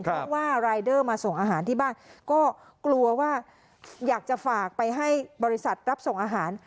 เพราะว่ารายเดอร์มาส่งอาหารที่บ้านก็กลัวว่าอยากจะฝากไปให้บริษัทรับส่งอาหาร